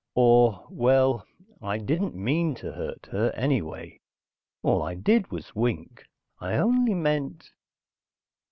Or, well, I didn't mean to hurt her, anyway. All I did was wink. I only meant....